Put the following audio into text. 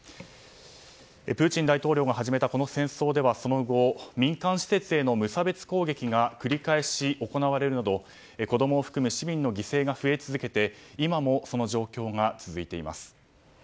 プーチン大統領が始めたこの戦争では、その後民間施設への無差別攻撃が繰り返し行われるなど子供を含め市民の犠牲が増え続けて今もその状況が続いています。